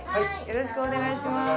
よろしくお願いします。